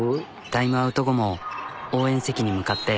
タイムアウト後も応援席に向かって。